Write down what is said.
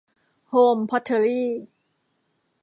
โฮม พอตเทอรี่